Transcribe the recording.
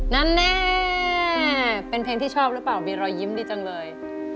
แน่เป็นเพลงที่ชอบหรือเปล่ามีรอยยิ้มดีจังเลย